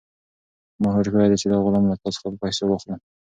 ما هوډ کړی دی چې دا غلام له تا څخه په پیسو واخلم.